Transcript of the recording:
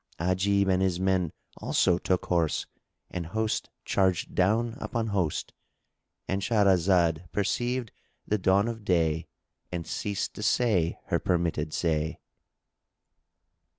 Ajib and his men also took horse and host charged down upon host. — And Shahrazad perceived the dawn of day and ceased to say her permitted say.